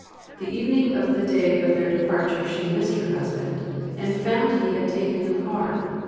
The evening of the day of their departure she missed her husband, and found he had taken the car.